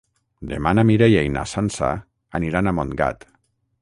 Demà na Mireia i na Sança aniran a Montgat.